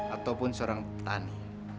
ataupun seorang petani